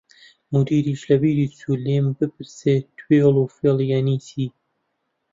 مودیریش لە بیری چوو لێم بپرسێ توێڵ و فێڵ یانی چی؟